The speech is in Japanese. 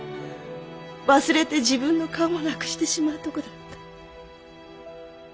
忘れて自分の顔もなくしてしまうとこだった。